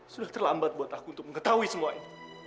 sudah terlambat buat aku untuk mengetahui semuanya